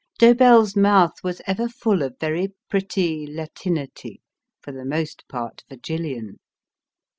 Dobell s mouth was ever full of very pretty Latinity, for the most part Virgilian.